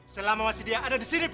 selama masih dia ada disini ustaz